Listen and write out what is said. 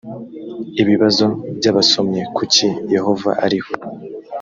ibibazo by abasomyi kuki yehova ariho